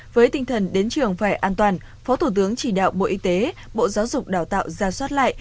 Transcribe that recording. với tinh thần đến trường phải an toàn phó thủ tướng chỉ đạo bộ y tế bộ giáo dục đào tạo ra soát lại